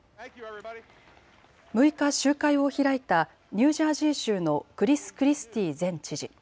６日、集会を開いたニュージャージー州のクリス・クリスティー前知事。